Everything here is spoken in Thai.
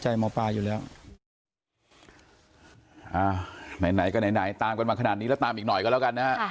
ไหนก็ไหนตามกันมาขนาดนี้แล้วตามอีกหน่อยก็แล้วกันนะครับ